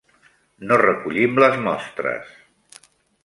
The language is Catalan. No recollim les mostres.